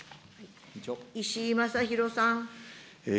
石井正弘さん。